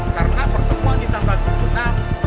karena pertemuan ditangkap berguna